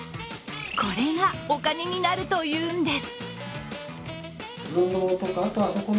これがお金になるというんです。